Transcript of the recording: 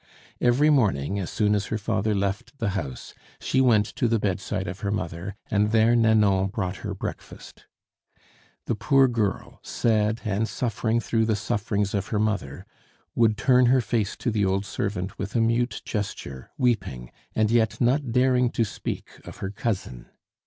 Every morning, as soon as her father left the house, she went to the bedside of her mother, and there Nanon brought her breakfast. The poor girl, sad, and suffering through the sufferings of her mother, would turn her face to the old servant with a mute gesture, weeping, and yet not daring to speak of her cousin.